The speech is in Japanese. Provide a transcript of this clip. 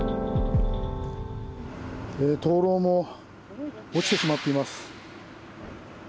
灯ろうも落ちてしまっています。